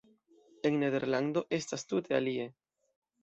En Nederlando estas tute alie.